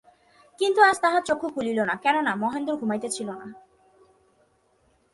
কিন্তু আজ তাহার চক্ষু খুলিল না, কেননা, মহেন্দ্র ঘুমাইতেছিল না।